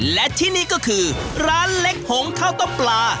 และที่นี่ก็คือร้านเล็กผงข้าวต้มปลา